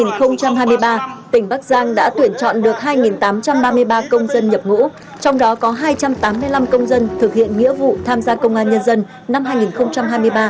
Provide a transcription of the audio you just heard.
năm hai nghìn hai mươi ba tỉnh bắc giang đã tuyển chọn được hai tám trăm ba mươi ba công dân nhập ngũ trong đó có hai trăm tám mươi năm công dân thực hiện nghĩa vụ tham gia công an nhân dân năm hai nghìn hai mươi ba